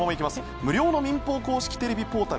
無料の民放テレビ公式ポータル